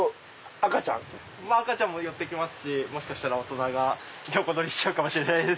赤ちゃんも寄って来ますしもしかしたら大人が横取りしちゃうかもしれないです。